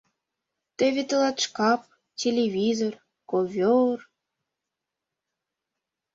— Теве тылат шкап, телевизор, ковёр...